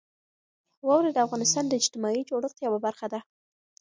واوره د افغانستان د اجتماعي جوړښت یوه برخه ده.